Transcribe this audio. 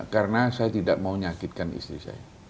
karena saya tidak mau nyakitkan istri saya